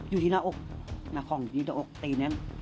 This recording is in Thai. อยู่ที่หน้าของจีบหน้าของปีนั้น